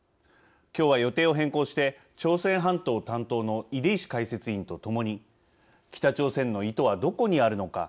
今日は予定を変更して朝鮮半島担当の出石解説委員とともに北朝鮮の意図はどこにあるのか。